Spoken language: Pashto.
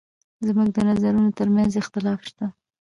زموږ د نظرونو تر منځ اختلاف شته.